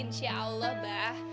insya allah mbah